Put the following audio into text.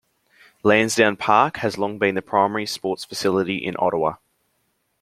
Lansdowne Park has long been the primary sports facility in Ottawa.